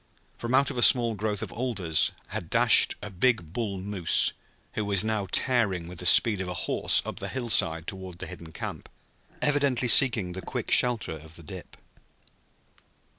From out of a small growth of alders had dashed a big bull moose, who was now tearing with the speed of a horse up the hillside toward the hidden camp, evidently seeking the quick shelter of the dip.